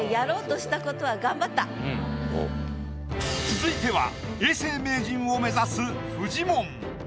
続いては永世名人を目指すフジモン。